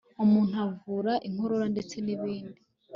umuti uvura inkorora ndetse nibindi